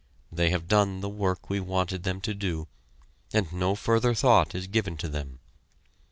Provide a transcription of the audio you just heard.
They have done the work we wanted them to do, and no further thought is given to them.